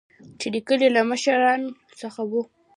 چې د کلي له مشران څخه وو.